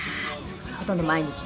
谷村：ほとんど毎日。